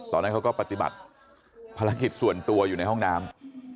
ตอนนั้นเขาก็ปฏิบัติภารกิจส่วนตัวอยู่ในห้องน้ำ